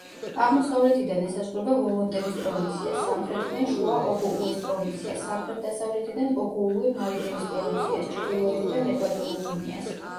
აღმოსავლეთიდან ესაზღვრება ვოლო-ნტემის პროვინციას, სამხრეთიდან შუა ოგოუეს პროვინციას, სამხრეთ-დასავლეთიდან ოგოუე-მარიტიმის პროვინციას, ჩრდილოეთიდან ეკვატორულ გვინეას.